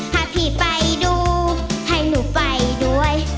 ถ้าพี่ไปดูให้หนูไปด้วย